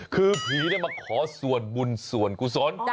คือผีมาขอส่วนบุญส่วนกุศล